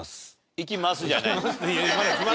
「いきます」じゃなくて。